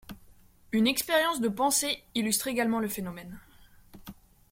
Une expérience de pensée illustre également le phénomène.